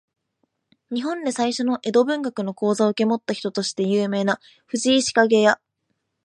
日本で最初の江戸文学の講座を受け持った人として有名な藤井紫影や、